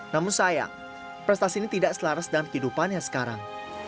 namun sayang prestasi ini tidak selaras dalam kehidupannya sekarang